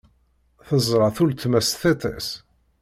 Teẓra-t uletma s tiṭ-is.